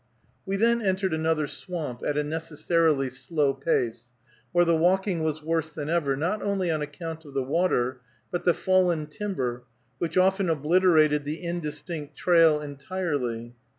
We then entered another swamp, at a necessarily slow pace, where the walking was worse than ever, not only on account of the water, but the fallen timber, which often obliterated the indistinct trail entirely.